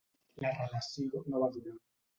La relació no va durar.